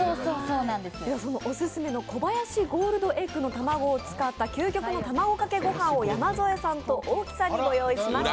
オススメの小林ゴールドエッグの卵を使った究極のたまごかけごはんを山添さんと大木さんにご用意しました。